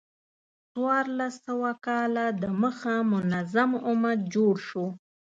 څوارلس سوه کاله د مخه منظم امت جوړ شو.